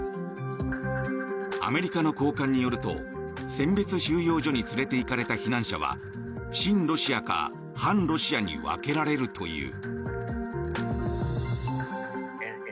アメリカの高官によると選別収容所に連れていかれた避難者は親ロシアか反ロシアに分けられるという。